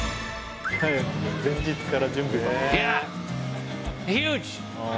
前日から準備。